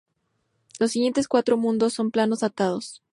Los siguientes cuatro mundos son planos atados.